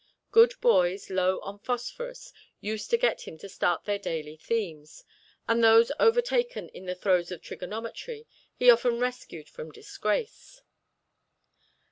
Good boys, low on phosphorus, used to get him to start their daily themes, and those overtaken in the throes of trigonometry he often rescued from disgrace.